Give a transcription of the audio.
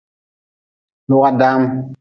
Lua daam.